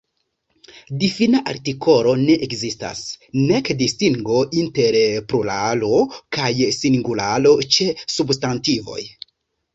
Difina artikolo ne ekzistas, nek distingo inter pluralo kaj singularo ĉe substantivoj.